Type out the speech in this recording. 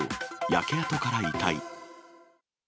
焼け跡から遺体。